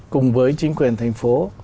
cùng với chính quyền tp hcm